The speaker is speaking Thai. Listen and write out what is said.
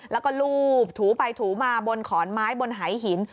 แล้วก็ลูบถูไปถูมาบนขอนไม้บนหายหิน